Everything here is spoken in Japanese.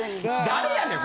誰やねん？